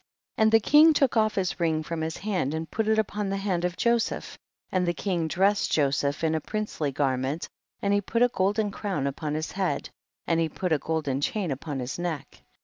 23. And the king took off his ring from his hand and put it upon the hand of Joseph, and the king dressed Joseph in a princely garment, and he put a golden crown upon his head, and he put a golden chain upon his neck.